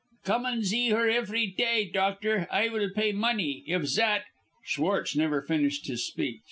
"Come and zee her effry tay, doctor. I vill pay money. If zat " Schwartz never finished his speech.